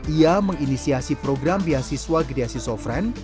ia menginisiasi program biasiswa griaski zofren